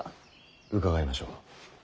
伺いましょう。